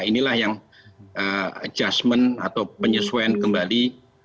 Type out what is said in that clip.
inilah yang adjustment atau penyesuaian kembali